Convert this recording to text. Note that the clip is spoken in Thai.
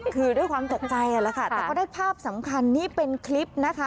คือด้วยความตกใจแหละค่ะแต่ก็ได้ภาพสำคัญนี่เป็นคลิปนะคะ